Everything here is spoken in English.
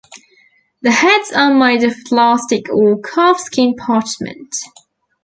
The heads are made of plastic or calfskin parchment.